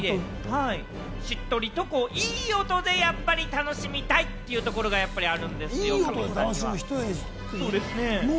しっとりと、いい音で楽しみたいというところがあるんですよね。